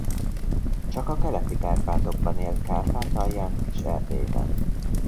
Csak a Keleti-Kárpátokban él Kárpátalján és Erdélyben.